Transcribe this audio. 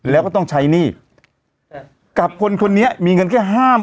แล้วก็ต้องใช้หนี้กับคนคนนี้มีเงินแค่ห้าหมื่น